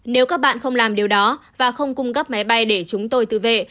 nếu các bạn không làm điều đó và không cung cấp máy bay để chúng tôi tự vệ